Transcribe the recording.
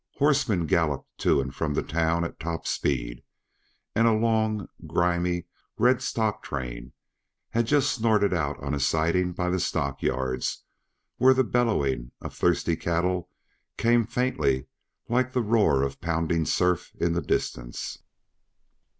Horsemen galloped to and from the town at top speed, and a long, grimy red stock train had just snorted out on a siding by the stockyards where the bellowing of thirsty cattle came faintly like the roar of pounding surf in the distance.